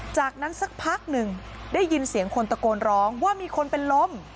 จากนั้นสักพักหนึ่งได้ยินเสียงคนตะโกนร้องว่ามีคนเป็นลม